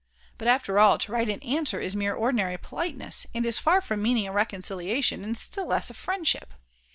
But after all, to write an answer is mere ordinary politeness, and is far from meaning a reconciliation, and still less a friendship.